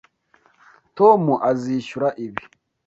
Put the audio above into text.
Tom azishyura ibi.